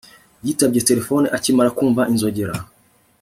yitabye terefone akimara kumva inzogera